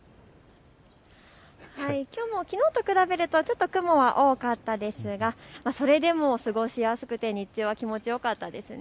きょうもきのうと比べるとちょっと雲は多かったですが、それでも過ごしやすくて、日中は気持ちよかったですね。